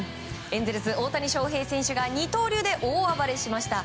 エンゼルス、大谷翔平選手が二刀流で大暴れしました。